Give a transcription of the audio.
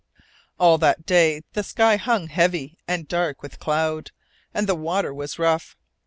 All that day the sky hung heavy and dark with cloud, and the water was rough.